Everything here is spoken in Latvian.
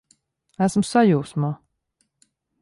Esmu sajūsmā!